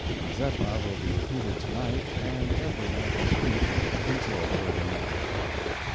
"Mazeppa" will be repeated to night, and every night this week until further notice.